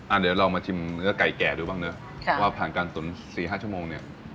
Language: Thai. เดี๋ยวเรามาชิมเนื้อไก่แก่ดูบ้างเนอะว่าผ่านการตุ๋นสี่ห้าชั่วโมงเนี่ย